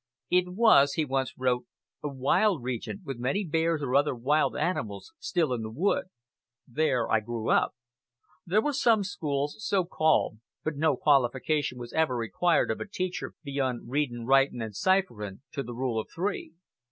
"It was," he once wrote, "a wild region, with many bears and other wild animals still in the woods. There I grew up. There were some schools, so called, but no qualification was ever required of a teacher beyond "readin', writin', and cipherin' to the Rule of Three.